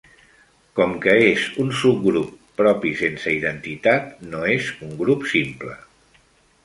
Com que és un subgrup propi sense identitat, no és un grup simple.